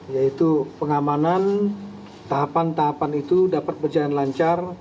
yaitu pengamanan tahapan tahapan itu dapat berjalan lancar